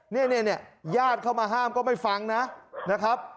เนี่ยญาติเข้ามาห้ามก็ไม่ฟังนะครับ